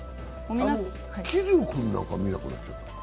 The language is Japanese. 桐生君なんか見なくなった。